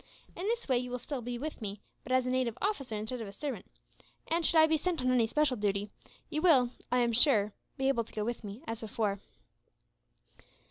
In this way you will still be with me, but as a native officer instead of a servant; and should I be sent on any special duty you will, I am sure, be able to go with me, as before."